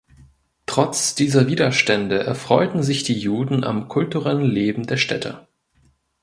Trotz dieser Widerstände erfreuten sich die Juden am kulturellen Leben der Städte.